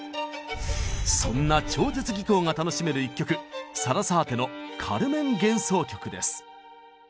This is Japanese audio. そんな超絶技巧が楽しめる一曲サラサーテの「カルメン幻想曲」です。